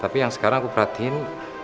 tapi yang sekarang aku perhatiin